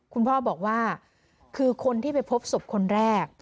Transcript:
คุณพ่อบอกว่าคือคนที่ไปพบศพคนแรก